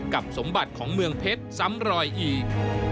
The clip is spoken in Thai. สมบัติของเมืองเพชรซ้ำรอยอีก